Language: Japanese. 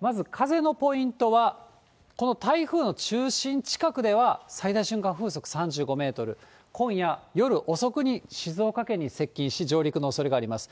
まず風のポイントは、この台風の中心近くでは最大瞬間風速３５メートル、今夜、夜遅くに静岡県に接近し、上陸のおそれがあります。